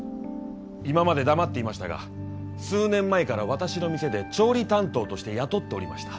今まで黙っていましたが数年前から私の店で調理担当として雇っておりました。